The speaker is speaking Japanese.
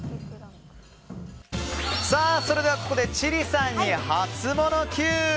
それではここで千里さんにハツモノＱ。